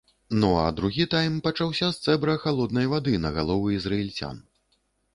Ну, а другі тайм пачаўся з цэбра халоднай вады на галовы ізраільцян.